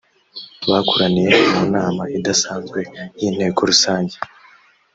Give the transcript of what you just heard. bakoraniye mu nama idasanzwe y inteko rusange